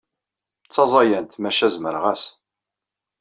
D taẓayant maca zmereɣ-as.